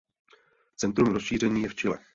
Centrum rozšíření je v Chile.